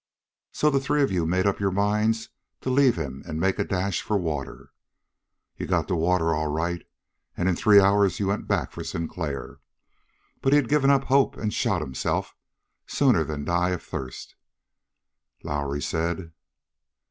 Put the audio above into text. So the three of you made up your minds to leave him and make a dash for water. You got to water, all right, and in three hours you went back for Sinclair. But he'd given up hope and shot himself, sooner'n die of thirst, Lowrie said."